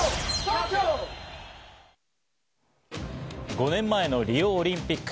５年前のリオオリンピック。